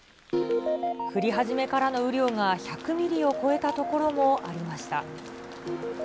降り始めからの雨量が１００ミリを超えた所もありました。